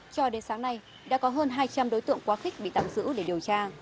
cho đến sáng nay đã có hơn hai trăm linh đối tượng quá khích bị tạm giữ để điều tra